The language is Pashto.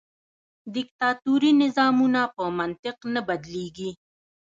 دیکتاتوري نظامونه په منطق نه بدلیږي.